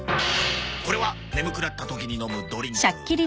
これは眠くなった時に飲むドリンク！